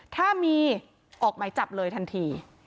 ถ้ามีออกหมายจับเลยทันที